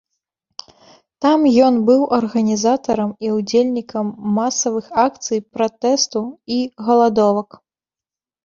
Там ён быў арганізатарам і ўдзельнікам масавых акцый пратэсту і галадовак.